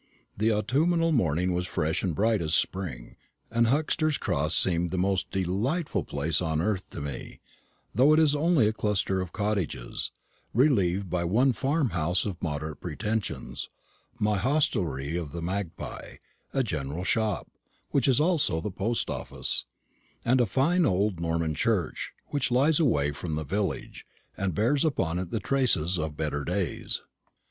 The autumnal morning was fresh and bright as spring, and Huxter's Cross seemed the most delightful place on earth to me, though it is only a cluster of cottages, relieved by one farmhouse of moderate pretensions, my hostelry of the Magpie, a general shop, which is also the post office, and a fine old Norman church, which lies away from the village, and bears upon it the traces of better days.